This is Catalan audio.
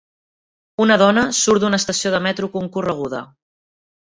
Una dona surt d'una estació de metro concorreguda.